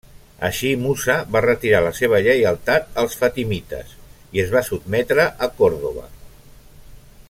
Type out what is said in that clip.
Així Musa va retirar la seva lleialtat als fatimites i es va sotmetre a Còrdova.